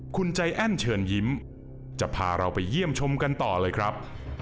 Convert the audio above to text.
คุณใจแอ้นเชิญยิ้มจะพาเราไปเยี่ยมชมกันต่อเลยครับ